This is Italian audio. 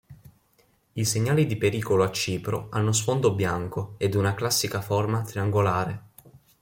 I segnali di pericolo a Cipro hanno sfondo bianco ed una classica forma triangolare.